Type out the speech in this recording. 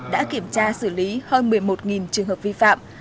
đã kiểm tra xử lý hơn một mươi một trường hợp vi phạm